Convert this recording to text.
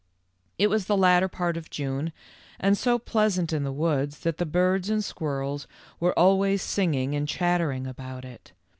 It was the latter part of June, and so pleas ant in the woods that the birds and squirrels were always singing and chattering about it.